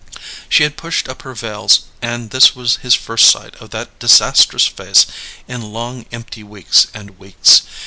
She had pushed up her veils and this was his first sight of that disastrous face in long empty weeks and weeks.